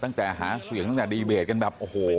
ตั้งแต่หาเสียงตั้งแต่ดีเบตกันแบบโอ้โห